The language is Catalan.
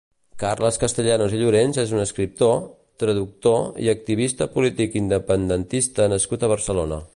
Carles Castellanos i Llorenç és un escriptor, traductor i activista polític independentista nascut a Barcelona.